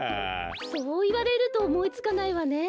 そういわれるとおもいつかないわね。